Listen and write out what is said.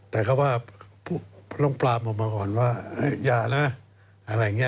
แต่เขาว่าต้องปราบออกมาก่อนว่าอย่านะอะไรอย่างนี้